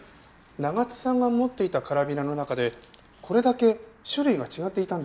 長津さんが持っていたカラビナの中でこれだけ種類が違っていたんです。